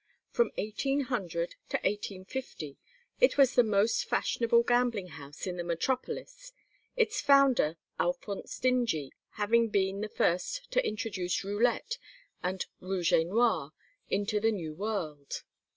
From 1800 to 1850 it was the most fashionable gambling house in the metropolis, its founder, Alphonse Dingee, having been the first to introduce roulette and rouge et noir into the new world.